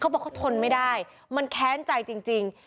บอกเขาทนไม่ได้มันแค้นใจจริง